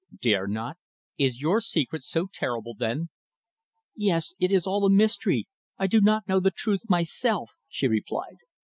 "Dare not? Is your secret so terrible, then?" "Yes. It is all a mystery. I do not know the truth myself," she replied.